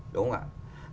đúng không ạ